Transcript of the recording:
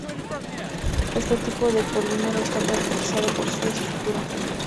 Este tipo de polímero está caracterizado por su estructura.